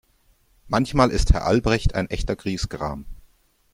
Manchmal ist Herr Albrecht ein echter Griesgram.